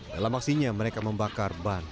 dalam aksinya mereka membakar ban